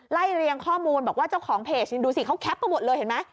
เรียงข้อมูลบอกว่าเจ้าของเพจนี่ดูสิเขาแคปมาหมดเลยเห็นไหม